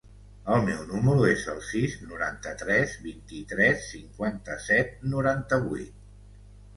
El meu número es el sis, noranta-tres, vint-i-tres, cinquanta-set, noranta-vuit.